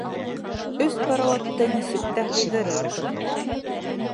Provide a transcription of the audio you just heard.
Өс карауатты нисек тә һыйҙырырбыҙ.